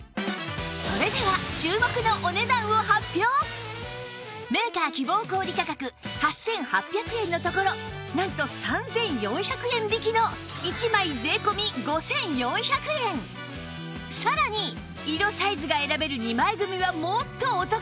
それでは注目のメーカー希望小売価格８８００円のところなんと３４００円引きの１枚税込５４００円さらに色サイズが選べる２枚組はもっとお得！